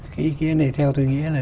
cái ý kiến này theo tôi nghĩ là